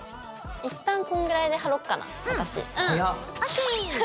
一旦こんぐらいで貼ろうかな私。